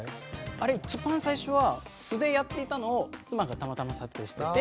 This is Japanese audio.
あれ一番最初は素でやっていたのを妻がたまたま撮影してて。